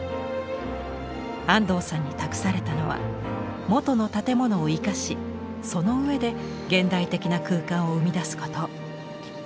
安藤さんに託されたのは元の建物を生かしその上で現代的な空間を生み出すこと。